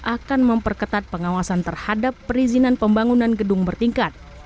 akan memperketat pengawasan terhadap perizinan pembangunan gedung bertingkat